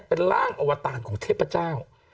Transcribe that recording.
เป็นร่างอวตารของเทพเจ้า